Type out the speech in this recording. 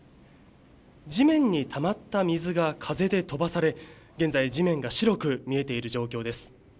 地面にたまった水が風で飛ばされ、現在、地面が白く見えている状況です。